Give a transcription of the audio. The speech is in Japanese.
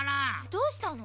どうしたの？